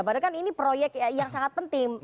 padahal kan ini proyek yang sangat penting